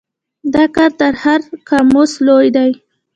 دا کار تر هر قاموس لوی دی.